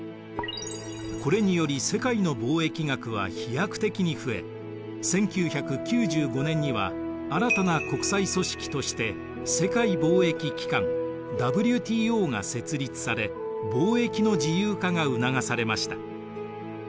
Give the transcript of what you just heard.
これにより世界の貿易額は飛躍的に増え１９９５年には新たな国際組織として世界貿易機関ＷＴＯが設立され貿易の自由化が促されました。